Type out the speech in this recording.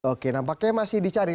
oke nampaknya masih dicari